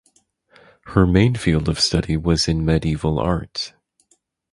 Her main field of study was in medieval art.